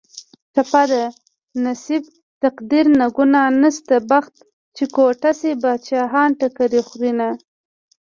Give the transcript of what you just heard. ټپه ده: نصیب تقدیر نه ګناه نشته بخت چې کوټه شي بادشاهان ټکرې خورینه